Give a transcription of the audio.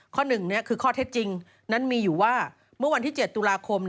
๑คือข้อเท็จจริงนั้นมีอยู่ว่าเมื่อวันที่๗ตุลาคม